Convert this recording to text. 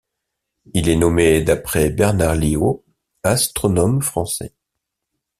Il est nommé d'après Bernard Lyot, astronome français.